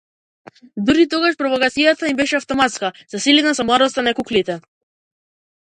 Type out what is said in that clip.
Дури тогаш провокацијата им беше автоматска, засилена со младоста на куклите.